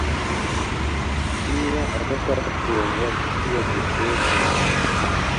Niba adashaka kurongora, kuki yagusezeranye?